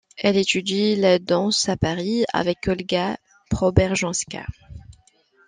Elle étudie la danse à Paris avec Olga Preobrajenska.